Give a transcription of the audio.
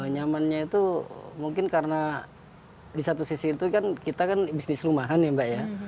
nyamannya itu mungkin karena di satu sisi itu kan kita kan bisnis rumahan ya mbak ya